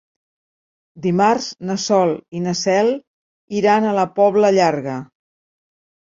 Dimarts na Sol i na Cel iran a la Pobla Llarga.